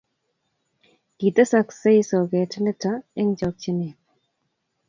kitesoksei soket neto eng' chokchine